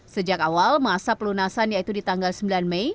sejak awal masa pelunasan yaitu di tanggal sembilan mei